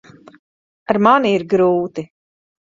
Ar mani ir grūti.